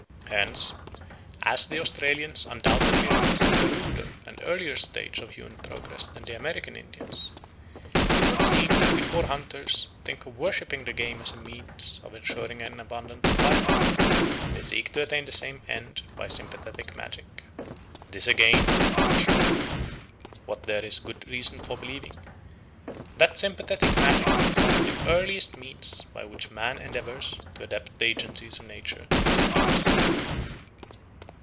Hence, as the Australians undoubtedly represent a ruder and earlier stage of human progress than the American Indians, it would seem that before hunters think of worshipping the game as a means of ensuring an abundant supply of it, they seek to attain the same end by sympathetic magic. This, again, would show what there is good reason for believing that sympathetic magic is one of the earliest means by which man endeavours to adapt the agencies of nature to his needs.